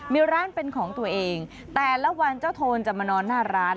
มีร้านเป็นของตัวเองแต่ละวันเจ้าโทนจะมานอนหน้าร้าน